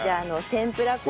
天ぷら粉。